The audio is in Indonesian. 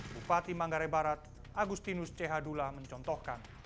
bupati manggare barat agustinus c hadula mencontohkan